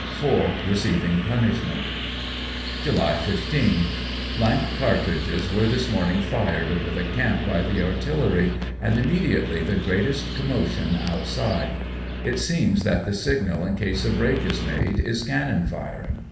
Four receiving punishment. July 15. — Blank cartridges were this morning fired over the camp by the artillery, and immediately the greatest commotion out side. It seems that the signal in case a break is made, is cannon firing.